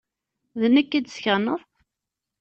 D nekk i d-teskaneḍ?